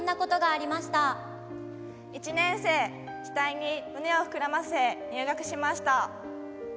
「１年生期待に胸を膨らませ入学しました」。